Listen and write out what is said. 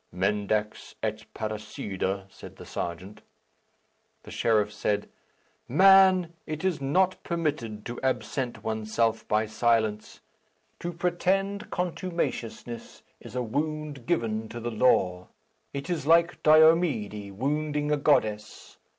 "Mendax et parricida," said the serjeant. The sheriff said, "Man, it is not permitted to absent oneself by silence. To pretend contumaciousness is a wound given to the law. It is like Diomede wounding a goddess.